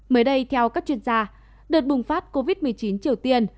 mới đây theo các chuyên gia đợt bùng phát covid một mươi chín triều tiên